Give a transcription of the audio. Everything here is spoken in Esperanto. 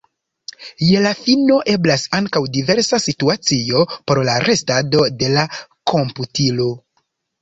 Je la fino eblas ankaŭ diversa situacio por la restado de la komputilo.